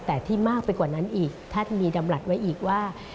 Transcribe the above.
แต่ที่มากไปกว่านั้นอีกท่านมีดำรัฐไว้อีกว่า